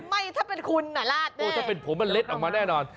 ไม่ถ้าเป็นคุณน่ะลาดมากโอ้ถ้าเป็นผมมันเล็ดออกมาแน่นอน